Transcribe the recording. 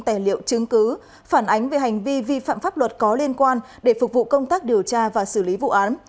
tài liệu chứng cứ phản ánh về hành vi vi phạm pháp luật có liên quan để phục vụ công tác điều tra và xử lý vụ án